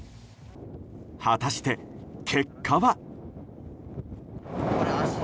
果たして、結果は。